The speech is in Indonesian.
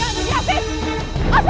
afif jangan pergi afif